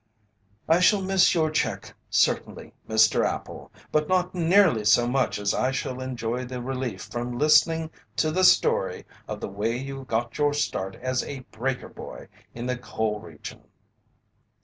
"I shall miss your check, certainly, Mr. Appel, but not nearly so much as I shall enjoy the relief from listening to the story of the way you got your start as a 'breaker boy' in the coal region."